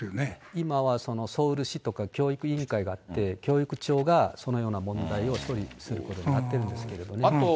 今はソウル市とか教育委員会があって、教育ちょうがそのような問題を処理することになってるんですけど。